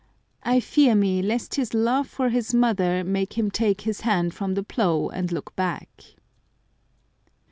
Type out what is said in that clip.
I fear me lest his love for his mother make him take his hand from the plough and look back."